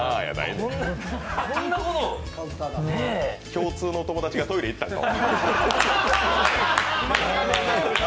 共通の友達がトイレ行ったんか。